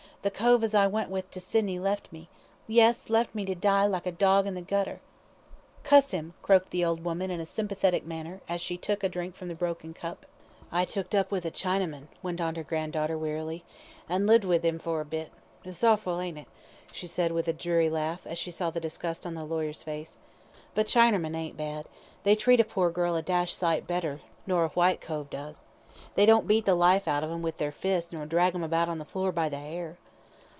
"The cove as I went with t' Sydney left me yes, left me to die like a dog in the gutter." "Cuss 'im!" croaked the old woman in a sympathetic manner, as she took a drink from the broken cup. "I tooked up with a Chinerman," went on her granddaughter, wearily, "an' lived with 'im for a bit it's orful, ain't it?" she said with a dreary laugh, as she saw the disgust on the lawyer's face. "But Chinermen ain't bad; they treat a pore girl a dashed sight better nor a white cove does. They don't beat the life out of 'em with their fists, nor drag 'em about the floor by the 'air."